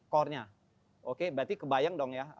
core nya oke berarti kebayang dong ya